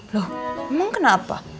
loh emang kenapa